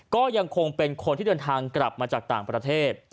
ก็ยังคงเป็นคนที่เดินทางกลับมาจากต่างประเทศ